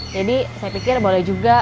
jadi saya pikir boleh juga